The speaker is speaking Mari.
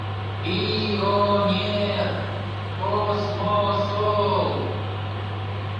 Пий-он-ер, кос-мо-сол...